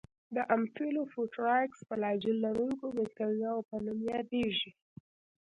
د امفیلوفوټرایکس فلاجیل لرونکو باکتریاوو په نوم یادیږي.